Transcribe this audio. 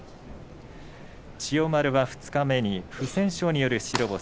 千代丸は二日目に不戦勝による白星。